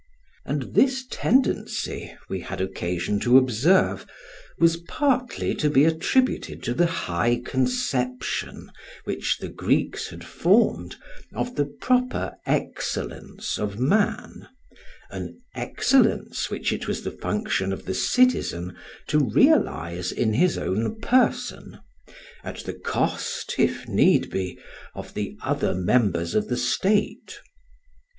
And this tendency, we had occasion to observe, was partly to be attributed to the high conception which the Greeks had formed of the proper excellence of man, an excellence which it was the function of the citizen to realise in his own person, at the cost, if need be, of the other members of the State.